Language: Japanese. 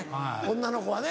女の子はね。